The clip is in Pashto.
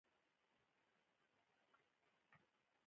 په افغانستان کې د چار مغز تاریخ خورا ډېر اوږد دی.